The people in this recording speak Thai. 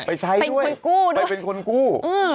ไปเป็นคนกู้